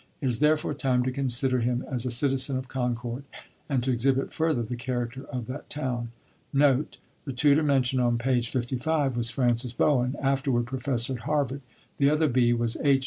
It is therefore time to consider him as a citizen of Concord, and to exhibit further the character of that town. Note. The Tutor mentioned on page 55 was Francis Bowen, afterward professor at Harvard; the other "B." was H.